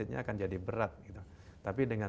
it nya akan jadi berat tapi dengan